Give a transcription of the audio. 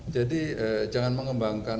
jadi jangan mengembangkan